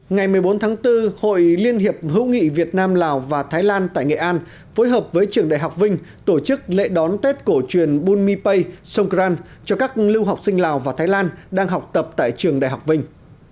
ngày một mươi bốn tháng bốn hội liên hiệp hữu nghị việt nam lào và thái lan tại nghệ an phối hợp với trường đại học vinh tổ chức lễ đón tết cổ truyền buny pay sông gran cho các lưu học sinh lào và thái lan đang học tập tại trường đại học vinh